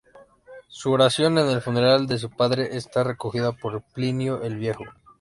Su oración en el funeral de su padre está recogida por Plinio el Viejo.